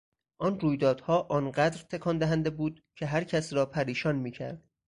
آن رویدادها آن قدر تکان دهنده بود که هرکس را پریشان میکرد.